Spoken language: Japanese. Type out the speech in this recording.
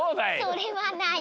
それはない。